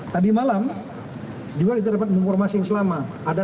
tadi malam juga kita dapat menghormati yang selama